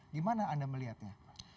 di mana anda melihatnya